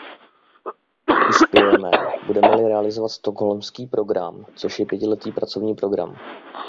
Uspějeme, budeme-li realizovat stockholmský program, což je pětiletý pracovní program.